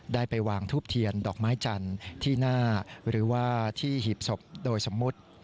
ได้ไปวางทูบเทียนดอกไม้จันทร์ที่หน้าหรือว่าที่หีบศพโดยสมมุติ